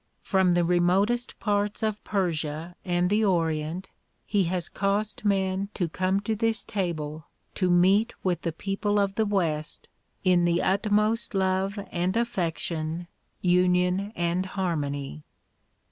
From the remotest parts of Persia and the Orient he has caused men to come to this ta])le to meet with the people of the west in the utmost love and affection, union and harmony.